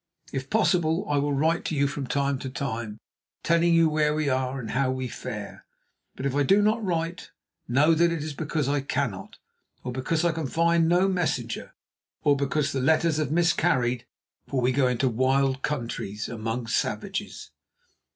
If possible, I will write to you from time to time, telling you where we are and how we fare. But if I do not write, know that it is because I cannot, or because I can find no messenger, or because the letters have miscarried, for we go into wild countries, amongst savages."